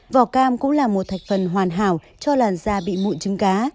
vỏ cam cũng là một thành phần hoàn hảo cho làn da bị mụn trứng cá